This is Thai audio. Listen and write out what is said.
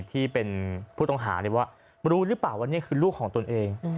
ที่เป็นผู้ต้องหาว่ารู้หรือเปล่าว่านี่คือลูกของตนเอง